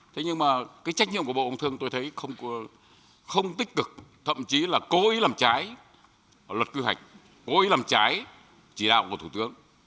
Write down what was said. thế nhưng mà cái trách nhiệm của bộ công thương tôi thấy không tích cực thậm chí là cố ý làm trái luật cư hạch cố ý làm trái chỉ đạo của thủ tướng